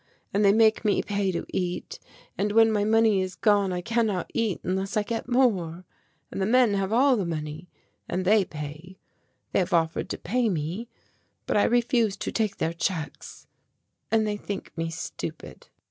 And they make me pay to eat and when my money is gone I cannot eat unless I get more. And the men have all the money, and they pay. They have offered to pay me, but I refused to take their checks, and they think me stupid."